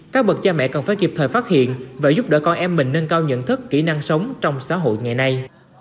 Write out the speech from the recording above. các bậc cha mẹ cần phải kịp thời phát hiện và giúp đỡ con em mình nâng cao nhận thức kỹ năng sống trong xã hội ngày nay